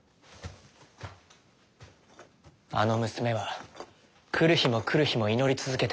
あの娘は来る日も来る日も祈り続けていた。